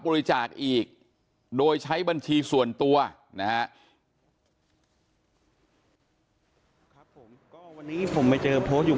บริจาคอีกโดยใช้บัญชีส่วนตัวนะวันนี้ผมไม่เจอโทสต์อยู่